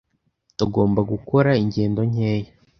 Tugomba gukora ingendo nkeya.